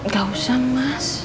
gak usah mas